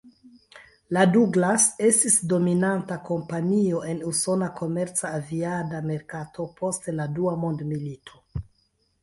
La Douglas estis dominanta kompanio en usona komerca aviada merkato post la dua mondmilito.